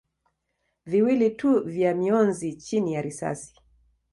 viwili tu vya mionzi chini ya risasi.